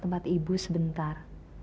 tempat tempat ibu sebentar